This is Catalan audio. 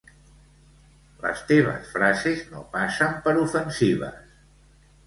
Les teves frases no passen per ofensives